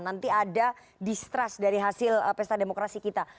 nanti ada distrust dari hasil pesta demokrasi kita